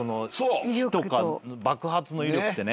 火とか爆発の威力ってね。